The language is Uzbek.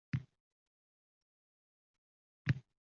mulkdorda va operatorda, uchinchi shaxsda